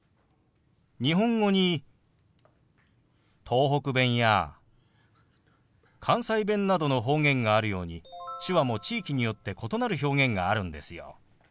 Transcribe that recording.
日本語に東北弁や関西弁などの方言があるように手話も地域によって異なる表現があるんですよ。